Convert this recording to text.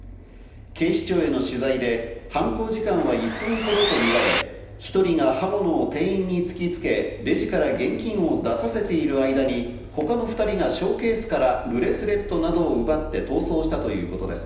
警視庁への取材で犯行時間は１分ほどとみられ、１人が刃物を店員に突きつけ、レジから現金を出させている間に、他の２人がショーケースからブレスレットなどを奪って逃走したということです。